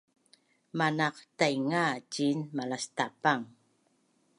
manaqtainga ciin malastapang